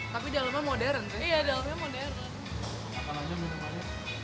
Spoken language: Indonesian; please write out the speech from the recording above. tapi dalamnya modern sih